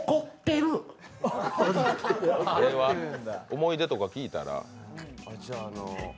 思い出とか聞いたら？